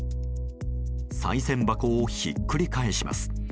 さい銭箱をひっくり返します。